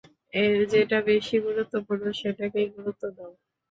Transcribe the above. যেটা বেশি গুরুত্বপূর্ণ সেটাকেই গুরুত্ব দাও।